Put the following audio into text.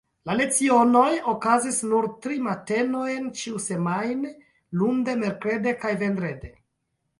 La lecionoj okazis nur tri matenojn ĉiusemajne, lunde, merkrede kaj vendrede.